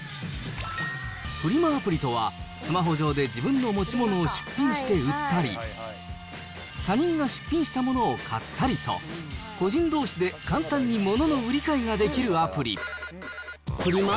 アプリとは、スマホ上で自分の持ち物を出品して売ったり、他人が出品したものを買ったりと、個人どうしで簡単に物の売り買フリマ